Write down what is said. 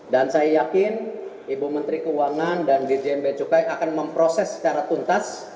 dan saya yakin ibu menteri keuangan dan djmb cukai akan memproses secara tuntas